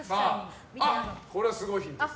これはすごいヒントです。